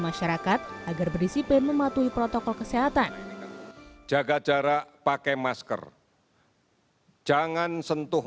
masyarakat agar berdisiplin mematuhi protokol kesehatan jaga jarak pakai masker jangan sentuh